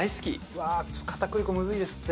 うわー片栗粉ムズいですって。